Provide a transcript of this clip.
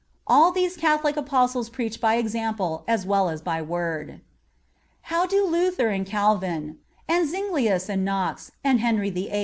All these Catholic Apostles preach by example as well as by word. How do Luther and Calvin, and Zuinglius and Knox, and Henry VIII.